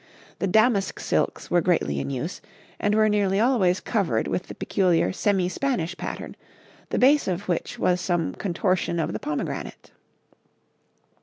The damask silks were greatly in use, and were nearly always covered with the peculiar semi Spanish pattern, the base of which was some contortion of the pomegranate.